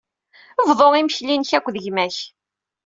Bḍu imekli-nnek akked gma-k.